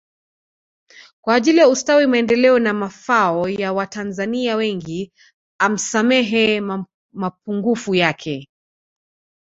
Kwa ajili ya ustawi maendeleo na mafao ya watanzania wengi amsamehe mapungufu yake